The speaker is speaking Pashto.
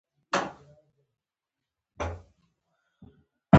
غوږونه د روڼ عقل سترګې دي